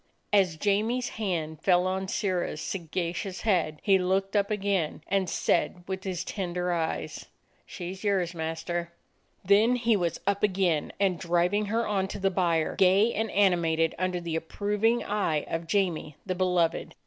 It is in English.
As Jamie's hand fell on Sirrah's sagacious head, he looked up again, and said with his tender eyes: "She 's yours, master." Then he was up again, and driving her on to the byre, gay and animated under the approv ing eye of Jamie the beloved.